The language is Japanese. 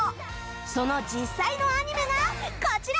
その実際のアニメがこちら